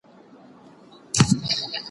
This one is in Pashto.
نه دعا نه په جومات کي خیراتونو